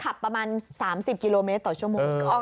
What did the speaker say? ขับประมาณ๓๐กิโลเมตรต่อชั่วโมง